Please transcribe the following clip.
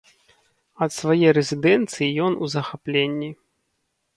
Ад свае рэзідэнцыі ён у захапленні.